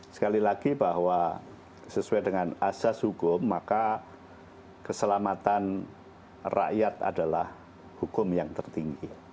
sekali lagi bahwa sesuai dengan asas hukum maka keselamatan rakyat adalah hukum yang tertinggi